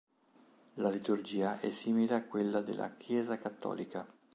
La liturgia è simile a quella della Chiesa cattolica.